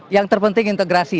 yang terpenting integrasi ya